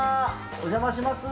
お邪魔します。